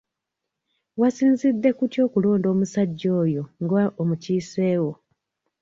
Wasinzidde ku ki okulonda omusajja oyo nga omukiisewo?